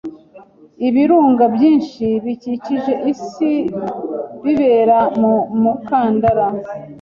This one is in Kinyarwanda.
ibirunga byinshi bikikije isi bibera mu mukandara